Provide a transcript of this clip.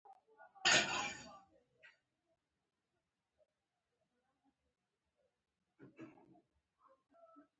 هغه د امپراطوري چاري سمبالوي.